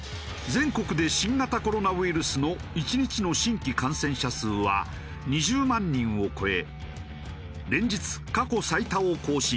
全国で新型コロナウイルスの１日の新規感染者数は２０万人を超え連日過去最多を更新。